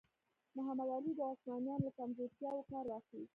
محمد علي د عثمانیانو له کمزورتیاوو کار واخیست.